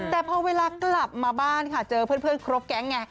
แต่พอเวลากลับมาบ้านค่ะเจอเพื่อนครบแก๊งไง